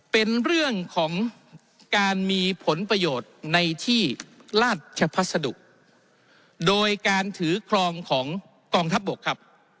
เป็นเรื่องของการมีผลประโยชน์ในที่ราชพัสดุโดยการถือครองของกองทัพบกครับ